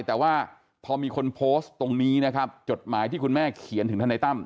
แต่ว่าพอมีคนโพสต์ตรงนี้นะครับจดหมายที่คุณแม่เขียนถึงทนายตั้ม